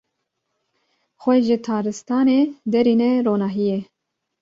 Xwe ji taristanê derîne ronahiyê.